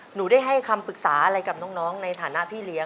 หนูได้ให้คำปรึกษาอะไรกับน้องในฐานะพี่เลี้ย